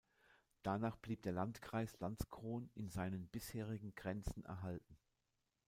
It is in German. Danach blieb der Landkreis Landskron in seinen bisherigen Grenzen erhalten.